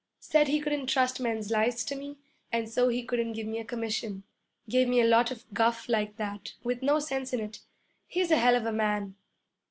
Said he couldn't trust men's lives to me, and so he couldn't give me a commission. Gave me a lot of guff like that, with no sense to it. He's a hell of a man!'